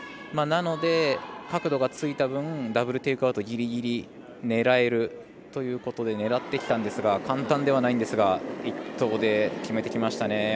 なので、角度がついた分ダブル・テイクアウトギリギリ狙えるということで狙ってきたんですが簡単ではないんですが１投で決めてきましたね。